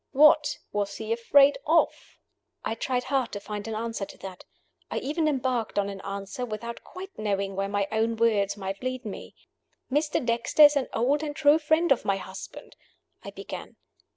What was he afraid of?" I tried hard to find an answer to that. I even embarked on an answer without quite knowing where my own words might lead me. Mr. Dexter is an old and true friend of my husband, I began.